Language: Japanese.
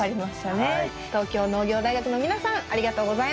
東京農業大学の皆さんありがとうございました。